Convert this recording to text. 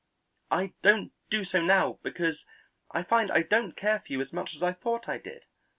I don't do so now, because I find I don't care for you as much as I thought I did.